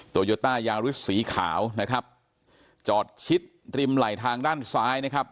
โยต้ายาริสสีขาวนะครับจอดชิดริมไหลทางด้านซ้ายนะครับ